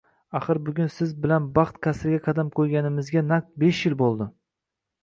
Axir bugun siz bilan baxt qasriga qadam qo`yganimizga naq besh yil bo`ldi